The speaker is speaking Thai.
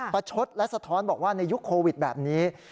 ประชดและสะท้อนบอกว่าในยุคโควิดแบบนี้